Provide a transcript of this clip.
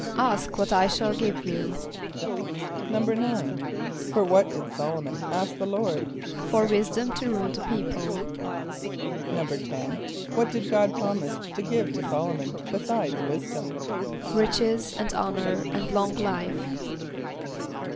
="Ask what I shall give you."= =9.= For what did S[)o]l´o mon ask the Lord? =For wisdom to rule the people.= =10.= What did God promise to give to S[)o]l´o mon besides wisdom? =Riches, and honor, and long life.